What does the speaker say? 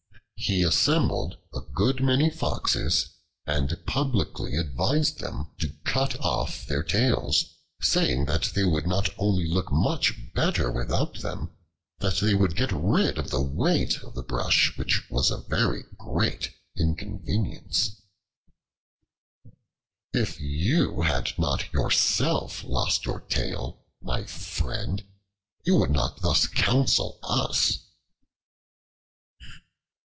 He assembled a good many Foxes and publicly advised them to cut off their tails, saying that they would not only look much better without them, but that they would get rid of the weight of the brush, which was a very great inconvenience. One of them interrupting him said, "If you had not yourself lost your tail, my friend, you would not thus counsel us."